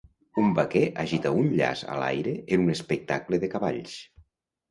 Un vaquer agita un llaç a l'aire en un espectacle de cavalls.